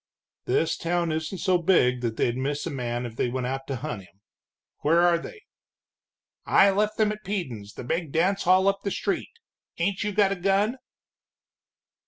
"This town isn't so big that they'd miss a man if they went out to hunt him. Where are they?" "I left them at Peden's, the big dance hall up the street. Ain't you got a gun?"